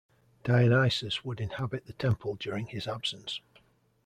Dionysus would inhabit the temple during his absence.